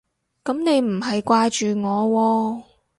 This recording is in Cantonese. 噉你唔係掛住我喎